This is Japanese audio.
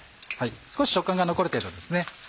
少し食感が残る程度ですね。